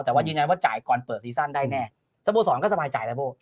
แต่ว่ายืนยันว่าจ่ายก่อนเปิดซีซั่นได้แน่สมมุติสองก็สม่ายจ่ายแล้ว